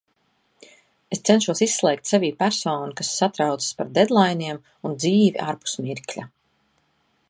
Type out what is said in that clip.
Es cenšos izslēgt sevī personu, kas satraucas par deadlainiem un dzīvi ārpus mirkļa.